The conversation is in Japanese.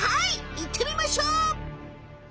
いってみましょう。